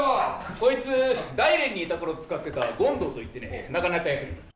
こいつ大連にいた頃使ってた権堂といってねなかなか役に立つ。